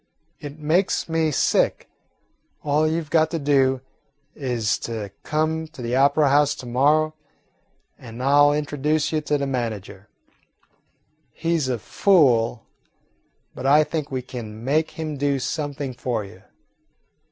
It makes me sick. All you 've got to do is to come to the opera house to morrow and I 'll introduce you to the manager. He 's a fool, but I think we can make him do something for you."